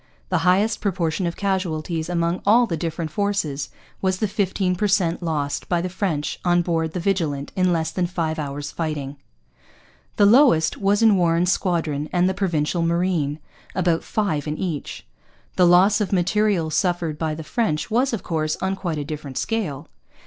The highest proportion of casualties among all the different forces was the fifteen per cent lost by the French on board the Vigilant in less than five hours' fighting. The lowest was in Warren's squadron and the Provincial Marine about five in each. The loss of material suffered by the French was, of course, on quite a different scale.